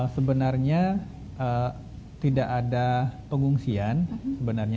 sebenarnya tidak ada pengungsian